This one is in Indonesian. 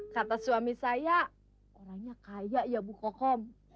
kata suami saya orangnya kaya ya bu kokom